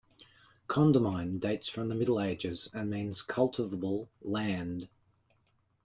"Condamine" dates from the Middle Ages, and means cultivable land.